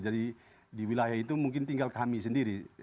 jadi di wilayah itu mungkin tinggal kami sendiri